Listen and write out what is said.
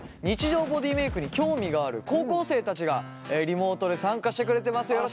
日常ボディーメイクに興味がある高校生たちがリモートで参加してくれてます